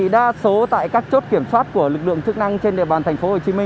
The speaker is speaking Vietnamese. đa số tại các chốt kiểm soát của lực lượng chức năng trên địa bàn tp hcm